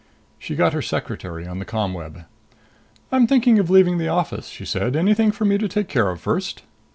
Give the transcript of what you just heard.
She got her secretary on the ComWeb. "I'm thinking of leaving the office," she said. "Anything for me to take care of first?"